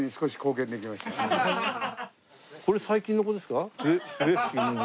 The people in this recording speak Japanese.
これ最近の子ですか？